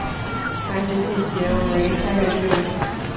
繁殖季节为三月至六月。